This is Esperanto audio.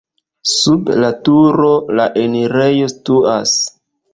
Sub la turo la enirejo situas.